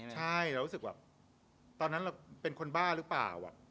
ใช่เรารู้สึกแบบตอนนั้นเราเป็นคนบ้าหรือเปล่า